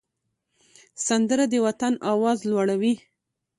سندره د وطن آواز لوړوي